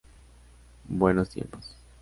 Buenos tiempos.